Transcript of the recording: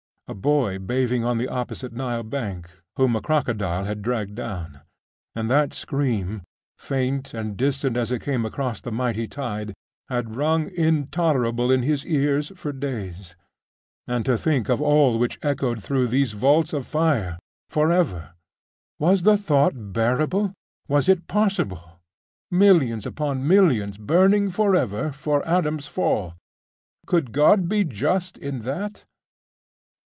a boy bathing on the opposite Nile bank, whom a crocodile had dragged down.... and that scream, faint and distant as it came across the mighty tide, had rung intolerable in his ears for days.... and to think of all which echoed through those vaults of fire for ever! Was the thought bearable! was it possible! Millions upon millions burning forever for Adam's fall .... Could God be just in that?....